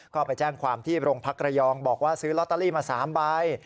ก็ไปแจ้งความที่โรงพักระยองบอกว่าซื้อลอตเตอรี่มา๓ใบ